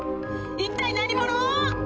一体何者？